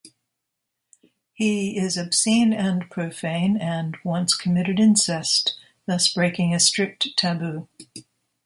He is obscene and profane and once committed incest, thus breaking a strict taboo.